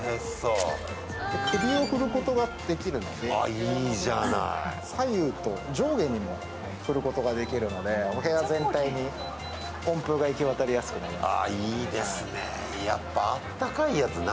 首を振ることができるので左右と上下にも振ることができるのでお部屋全体に温風が行き渡りやすくなります。